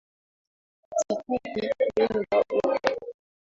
Sitaki kuenda huko